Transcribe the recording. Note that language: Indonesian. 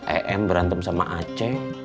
em berantem sama aceh